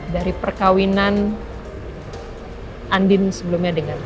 dari perkawinan andin sebelumnya dengan